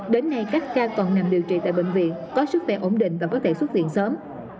đến nay các ca còn nằm điều trị tại bệnh viện có sức khỏe ổn định và có thể xuất viện sớm